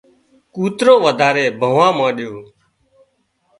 ڪوترو وڌاري ڀانهوا مانڏيو